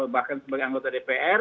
bahkan sebagai anggota dpr